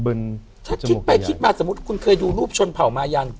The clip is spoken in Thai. ถ้าคิดไปคิดมาสมมุติคุณเคยดูรูปชนเผ่ามายัน